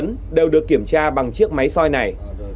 nhưng không dấu hiệu chứng của chiếc máy soi này